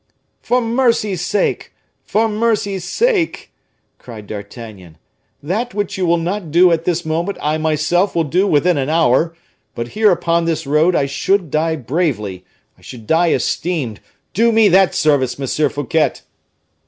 "For mercy's sake! for mercy's sake!" cried D'Artagnan; "that which you will not do at this moment, I myself will do within an hour, but here, upon this road, I should die bravely; I should die esteemed; do me that service, M. Fouquet!"